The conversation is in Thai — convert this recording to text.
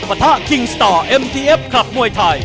ประทะคิงสตอร์เอ็มทีเอฟคลับมวยไทย